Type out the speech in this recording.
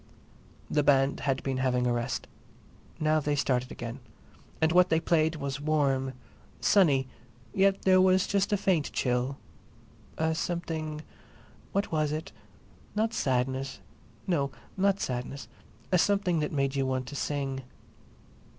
The band had been having a rest. Now they started again. And what they played was warm, sunny, yet there was just a faint chill—a something, what was it?—not sadness—no, not sadness—a something that made you want to sing.